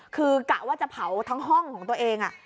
คือกะว่าจะเผาทั้งห้องของตัวเอง